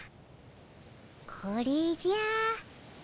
これじゃ。